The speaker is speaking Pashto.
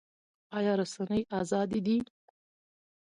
آیا رسنۍ ازادې دي؟